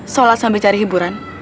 salah sampai cari hiburan